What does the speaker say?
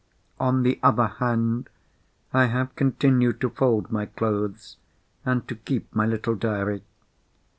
On the other hand, I have continued to fold my clothes, and to keep my little diary.